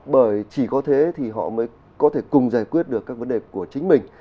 bởi chỉ có thế thì họ mới có thể cùng giải quyết được các vấn đề của chính mình